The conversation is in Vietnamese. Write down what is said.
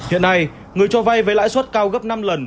hiện nay người cho vay với lãi suất cao gấp năm lần